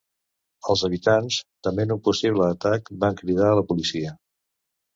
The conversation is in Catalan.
Els habitants tement un possible atac van cridar a la policia.